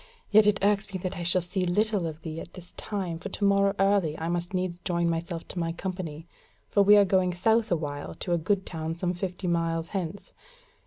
Yet it irks me that I shall see little more of thee at this time, for to morrow early I must needs join myself to my company; for we are going south awhile to a good town some fifty miles hence.